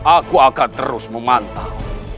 aku akan terus memantau